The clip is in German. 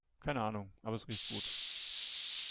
Keine Ahnung, aber es riecht gut.